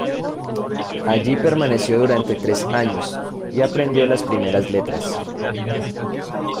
Allí permaneció durante tres años y aprendió las primeras letras.